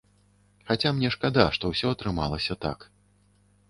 Хаця мне шкада, што ўсё атрымалася так.